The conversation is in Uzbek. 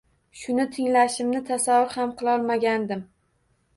Shuni tinglashimni tasavvur ham qilolmagandim.